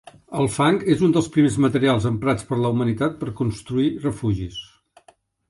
El fang és un dels primers materials emprats per la humanitat per construir refugis.